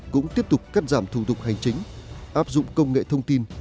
cũng tiếp tục cắt giảm thủ tục hành chính áp dụng công nghệ thông tin